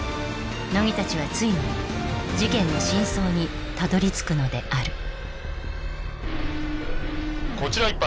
乃木達はついに事件の真相にたどり着くのであるこちら１班